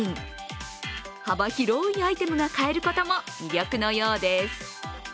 幅広いアイテムが買えることも魅力のようです。